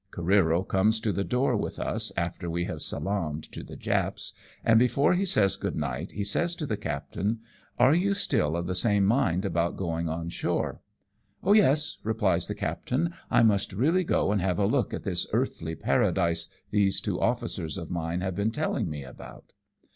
Careero comes to the door with us after we have salaamed to the Japs, and before he says good night, he says to the captain, " Are you still of the same mind about going on shore ?"" Oh, yes," replies the captain ;" I must really go and have a look at this earthly paradise these two officers of mine have been telling me about." i88 AMONG TYPHOONS AND PIRATE CRAFT.